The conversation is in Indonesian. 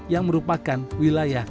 yang merupakan wilayah